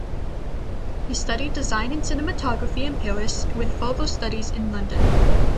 He studied design and cinematography in Paris, with further studies in London.